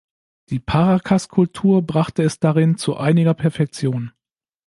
Die Paracas-Kultur brachte es darin zu einiger Perfektion.